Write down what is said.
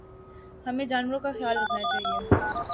ہمیں جانوروں کا خیال رکھنا چاہیے